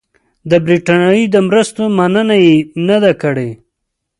د برټانیې د مرستو مننه یې نه ده کړې.